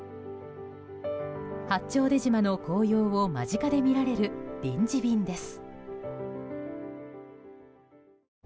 八丁出島の紅葉を間近で見られる臨時便です。